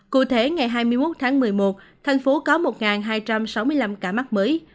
cụ thể ngày hai mươi một tháng một mươi một thành phố có một hai trăm sáu mươi năm ca mắc mới